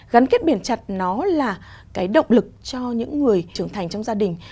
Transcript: gắn kết biển chặt nó là cái động lực cho những người trưởng thành trong gia đình